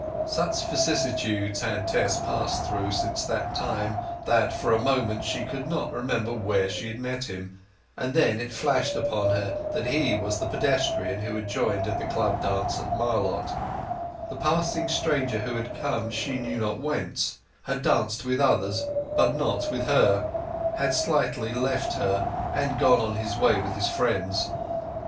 Such vicissitudes had Tess passed through since that time that for a moment she could not remember where she had met him; and then it flashed upon her that he was the pedestrian who had joined in the club dance at Marlott—the passing stranger who had come she knew not whence, had danced with others but not with her, and slightingly left her, and gone on his way with his friends.